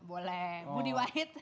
boleh budi wahid